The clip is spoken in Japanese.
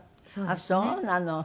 あっそうなの。